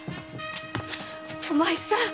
お前さん！